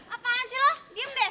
apaan sih lo diam deh